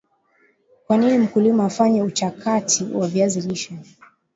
Kwanini mkulima afanye uchakataji wa viazi lishe